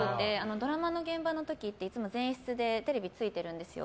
ドラマの現場の時っていつも前室でテレビついてるんですよ。